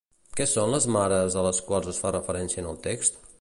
Què són les mares a les quals es fa referència en el text?